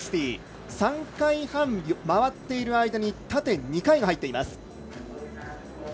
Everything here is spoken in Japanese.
３回半回っている間に縦２回が入っています。